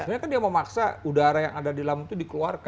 sebenarnya kan dia memaksa udara yang ada di lambung itu dikeluarkan